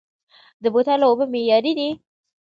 د بوتلو اوبه معیاري دي؟